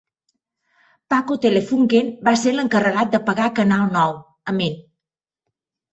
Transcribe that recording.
Paco Telefunken va ser l'encarregat d'apagar Canal Nou. Amén.